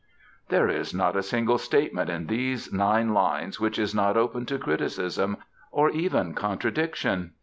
There is not a single statement in these nine lines which is not open to criticism, or even contradiction.